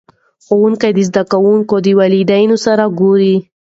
ښوونکي د زده کوونکو د والدینو سره ګوري.